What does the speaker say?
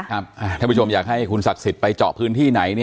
ครับท่านผู้ชมอยากให้คุณสาธิตไปเจาะพื้นที่ไหน